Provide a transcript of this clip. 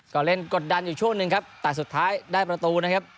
ก็เล่นกดดันอยู่ช่วงหนึ่งครับแต่สุดท้ายได้ประตูนะครับ